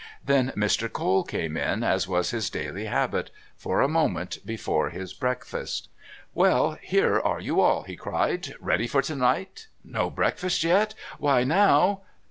Then Mr. Cole came in as was his daily habit for a moment before his breakfast. "Well, here are you all," he cried. "Ready for to night? No breakfast yet? Why, now...?"